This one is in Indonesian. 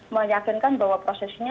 meyakinkan bahwa prosesnya